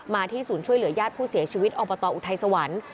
ที่ศูนย์ช่วยเหลือญาติผู้เสียชีวิตอบตอุทัยสวรรค์